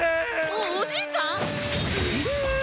おおじいちゃん？